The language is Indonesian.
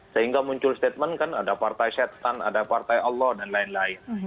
sehingga muncul statement kan ada partai setan ada partai allah dan lain lain